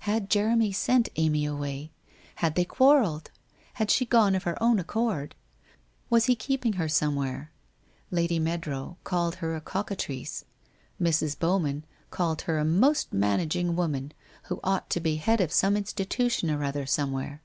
Had Jeremy sent Amy away? Had they quarrelled? Had she gone of her own accord? Was he keeping her somewhere? Lady Meadrow called her a cockatrice. Mrs. Bowman called her a most managing woman, who ought to be head of some institution or other somewhere.